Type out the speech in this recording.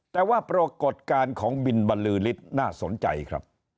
แต่ว่าปรากฏการณ์ของบินบรรลือฤทธิ์น่าสนใจครับ